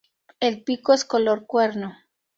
El pico es color cuerno.